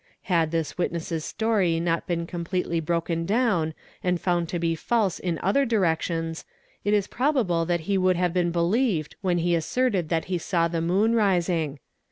Had this ri witness's story not been completely broken down and found to be false in ~ other directions it is probable that he would have been believed when he ~ asserted that he saw the moon rising.